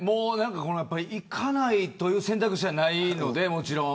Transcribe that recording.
行かないという選択肢はないので、もちろん。